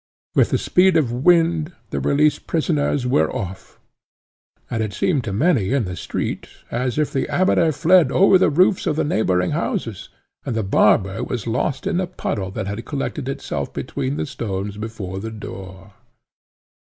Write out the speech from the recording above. With the speed of wind, the released prisoners were off, and it seemed to many in the street as if the Amateur fled over the roofs of the neighbouring houses, and the barber was lost in the puddle that had collected itself between the stones before the door.